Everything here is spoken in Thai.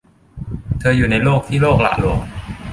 เธออยู่ในโลกที่โลกหละหลวม